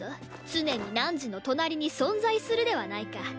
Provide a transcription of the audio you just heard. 常に汝の隣に存在するではないか。